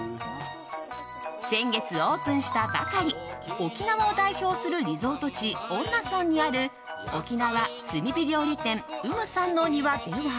先月オープンしたばかり沖縄を代表するリゾート地恩納村にある沖縄炭火料理店うむさんの庭では。